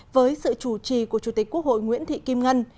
với sự chủ trì của chủ tịch quốc hội nguyễn thị kim ngân